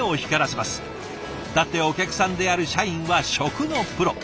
だってお客さんである社員は食のプロ。